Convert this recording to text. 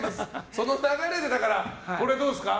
その流れでこれどうですか。